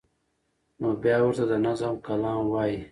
نو بیا ورته د نظم کلام وایی